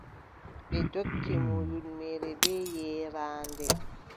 Ɓe ndokki mo ƴulmere bee yeeraande.